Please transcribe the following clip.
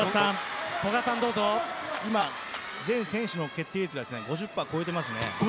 今、全選手の決定率が５０％超えてます。